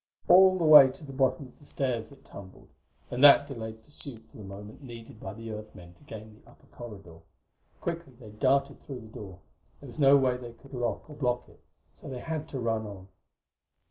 All the way to the bottom of the stairs it tumbled; and that delayed pursuit for the moment needed by the Earth men to gain the upper corridor. Quickly they darted through the door; there was no way they could lock or block it, so they had to run on.